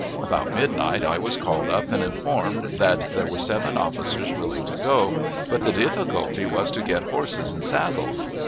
About midnight I was called up and informed that there were seven officers willing to go, but the difficulty was to get horses and saddles.